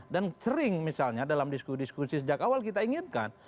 dan sering misalnya dalam diskusi diskusi sejak awal kita inginkan